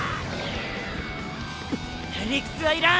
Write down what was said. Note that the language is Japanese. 理屈はいらん！